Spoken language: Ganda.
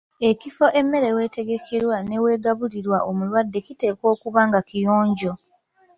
Ekifo emmere w’etegekerwa n’eweegabulirwa omulwadde kiteekwa okuba nga kiyonjo.